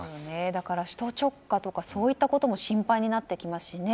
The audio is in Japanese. だから首都直下とかそういったことも心配になってきますしね